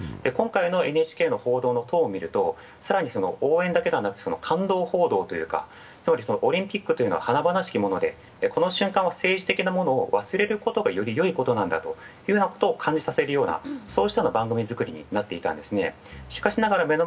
今回のＮＨＫの報道のトーンを見ると更に応援だけではなく、感動報道というか、つまりオリンピックというのは花々しきもので、この瞬間は政治的なことを忘れることがよりよいことなんだということを感じさせるような番組作りになっていたんですね。